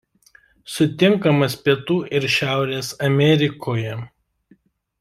Sutinkamas Pietų ir Šiaurės Amerikoje.